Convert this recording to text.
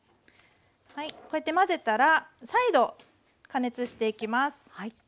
こうやって混ぜたら再度加熱していきます。